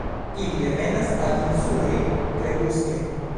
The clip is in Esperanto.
Ili revenas al insuloj krepuske.